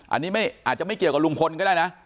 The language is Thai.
อันนี้อาจจะไม่เกี่ยวกับลุงพลก็ได้นะ